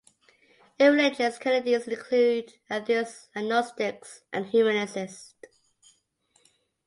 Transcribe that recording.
Irreligious Canadians include atheists, agnostics, and humanists.